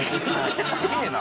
すげえな。